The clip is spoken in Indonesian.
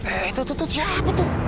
eh itu tutut siapa tuh